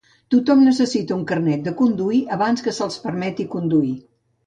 Tothom necessita un carnet de conduir abans que se'ls permeti conduir.